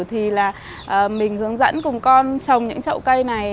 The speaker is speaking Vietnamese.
thì là mình hướng dẫn cùng con trồng những trậu cây này